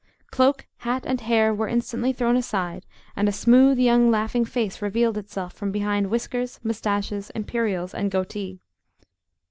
Cloak, hat, and hair were instantly thrown aside, and a smooth, young, laughing face revealed itself from behind whiskers, moustaches, imperials, and goatee.